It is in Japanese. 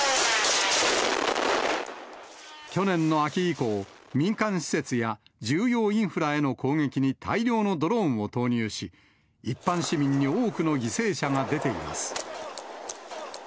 去年の秋以降、民間施設や重要インフラへの攻撃に大量のドローンを投入し、一般市民に多くの犠牲者が出ています。